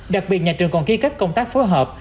đặc biệt nhà trường còn ký kết công tác phối hợp